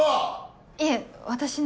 いえ私の。